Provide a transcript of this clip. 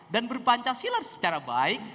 dan berpancasila secara baik